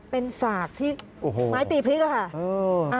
เป็นสากที่ไม้ตีพริกอะค่ะ